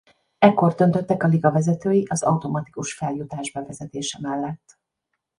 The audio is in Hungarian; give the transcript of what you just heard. Ekkor döntöttek a liga vezetői az automatikus feljutás bevezetése mellett.